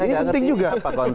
ini penting juga